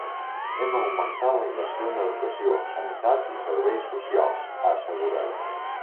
Hem augmentat la inversió en educació, sanitat i serveis socials, ha assegurat.